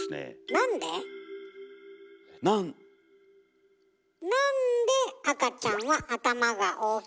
なんで赤ちゃんは頭が大きいの？